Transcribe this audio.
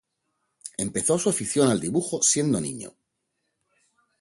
Empezó sus afición al dibujo siendo niño.